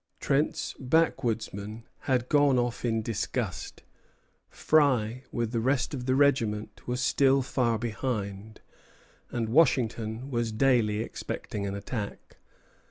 Trent's backwoodsmen had gone off in disgust; Fry, with the rest of the regiment, was still far behind; and Washington was daily expecting an attack.